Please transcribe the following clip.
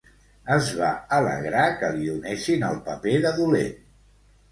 Es va alegrar que li donessin el paper de dolent.